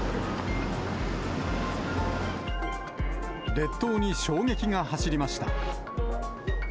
列島に衝撃が走りました。